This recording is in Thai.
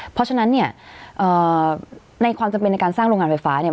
เพราะฉะนั้นเนี่ยในความจำเป็นในการสร้างโรงงานไฟฟ้าเนี่ย